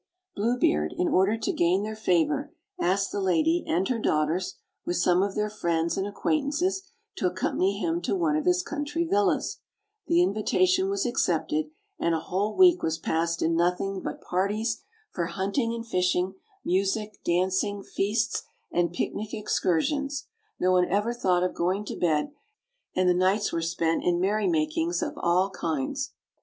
Blue Beard, in order to gain their favor, asked the lady and her daughters, with some of their friends and ac quaintances, to accompany him to one of his country villas; the invitation was accepted, and a whole week was passed in nothing but parties for hunting and fish ing, music, dancing, feasts, and picnic excursions; no one ever thought of going to bed, and the nights were spent in merry makings of all kinds.